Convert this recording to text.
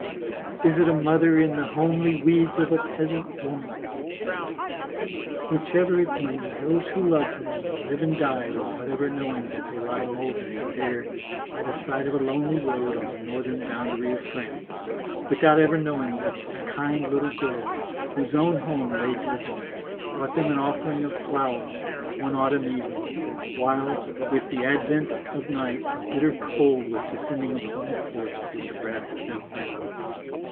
Is it a mother in the homely weeds of a peasant woman? Whichever it be, those who loved them will live and die without ever knowing that they lie mouldering there by the side of a lonely road on the northern boundary of France; without ever knowing that this kind little girl, whose own home lay desolate, brought them an offering of flowers one autumn evening, while with the advent of night a bitter cold was descending upon the forest which wrapped them round.